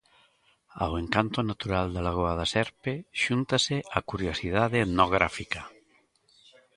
Ao encanto natural da lagoa da Serpe xúntase a curiosidade etnográfica.